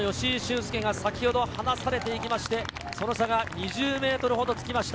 恭が離されていきまして、その差が２０ｍほどつきました。